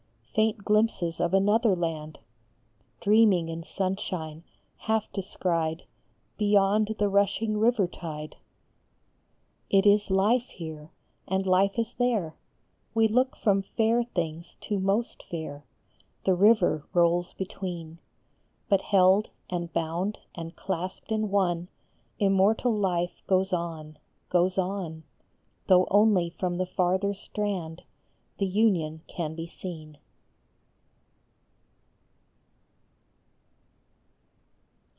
Faint glimpses of another land Dreaming in sunshine, half descried Beyond the rushing river tide. It is life here, and life is there : We look from fair things to most fair, The river rolls between ; But held and bound and clasped in one, Immortal life goes on, goes on, Though only from the farther strand The union can be seen.